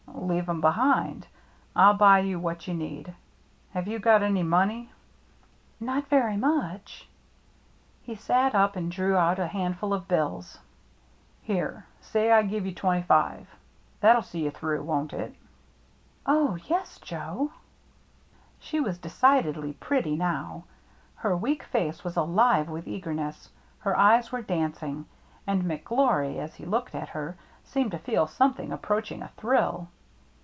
" Leave 'em behind. I'll buy you what you need. Have you got any money ?" "Not very much?" He sat up and drew out a handful of bills. " Here — say I give you twenty five. That'll see you through, won't it ?" THE CIRCLE MARK 113 " Oh, yes, Joe." She was decidedly pretty now. Her weak face was alive with eagerness, her eyes were dancing. And McGlory, as he looked at her, seemed to feel something approaching a thrill.